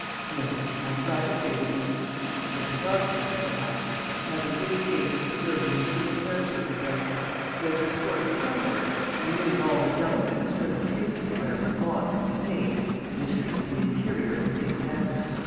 "No; I am glad to say that he or his architect perhaps has had the good taste to preserve the mediaeval character of the place. He has restored the stonework, renewing all the delicate external tracery where it was lost or decayed, and has treated the interior in the same manner.